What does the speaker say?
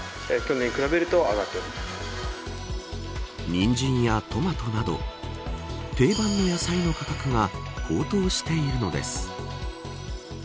ニンジンやトマトなど定番の野菜の価格が高騰しているのです。